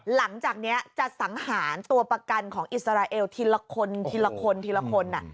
หลังจากนี้จะสังหารตัวประกันของอิสราเอลทีละคนทีละคนทีละคน